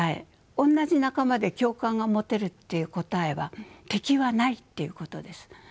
おんなじ仲間で共感が持てるっていう答えは敵はないっていうことです。